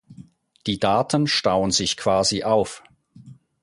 Die Daten stauen sich quasi auf.